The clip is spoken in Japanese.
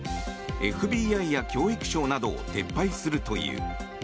ＦＢＩや教育省などを撤廃するという。